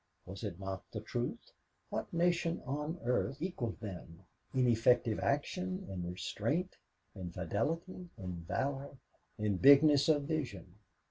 Was it not the truth? What nation on earth equaled them in effective action, in restraint, in fidelity, in valor, in bigness of vision?